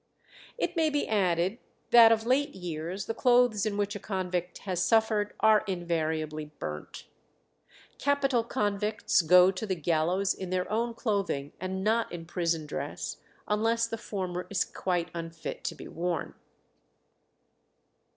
It may be added that of late years the clothes in which a convict has suffered are invariably burnt. Capital convicts go to the gallows in their own clothing, and not in prison dress, unless the former is quite unfit to be worn.